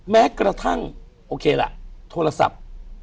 แม้กระทั่งโอเคล่ะโทรศัพท์